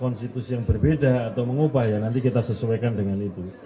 konstitusi yang berbeda atau mengubah ya nanti kita sesuaikan dengan itu